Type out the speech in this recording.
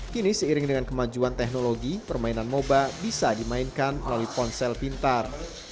kini seiring dengan kemajuan teknologi permainan moba bisa dimainkan melalui ponsel pintar